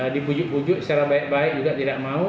dipujuk pujuk secara baik baik juga tidak mau